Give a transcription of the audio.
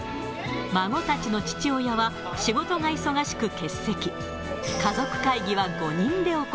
孫たちの父親は、仕事が忙しく欠席。